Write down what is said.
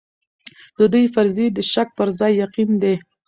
د دوی فرضيې د شک پر ځای يقين دي.